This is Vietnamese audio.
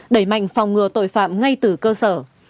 đẩy mạnh phòng ngừa tội phạm ngay từ cơ sở